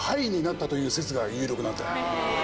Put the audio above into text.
なったという説が有力なんだ。